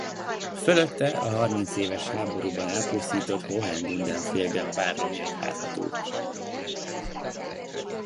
Fölötte a Harmincéves háborúban elpusztított Hohengundelfingen-vár romjai láthatók.